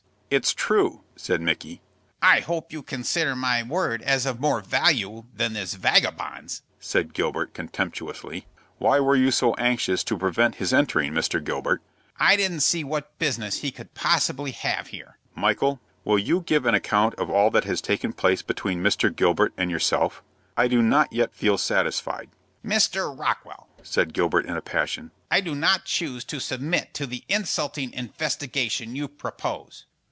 "It's true," said Micky. "I hope you consider my word as of more value than this vagabond's," said Gilbert, contemptuously. "Why were you so anxious to prevent his entering, Mr. Gilbert?" "I didn't see what business he could possibly have here." "Michael, will you give an account of all that has taken place between Mr. Gilbert and yourself? I do not yet feel satisfied." "Mr. Rockwell," said Gilbert, in a passion, "I do not choose to submit to the insulting investigation you propose.